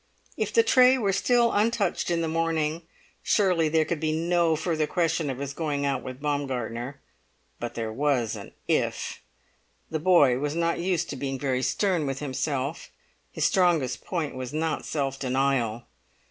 If the tray were still untouched in the morning, surely there could be no further question of his going out with Baumgartner; but there was an "if." The boy was not used to being very stern with himself; his strongest point was not self denial.